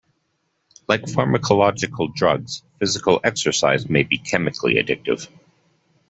Like pharmacological drugs, physical exercise may be chemically addictive.